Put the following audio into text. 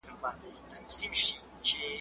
د خیال نیلی دي د جنون له بیابانه نه ځي `